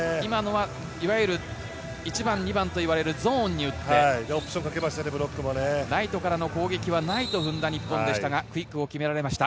今のはいわゆる１番、２番と言われるゾーンに打ってライトからの攻撃はないとふんだ日本でしたがクイックを決められました。